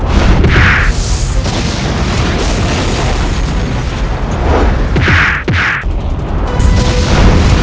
saat terjadi kata kata allez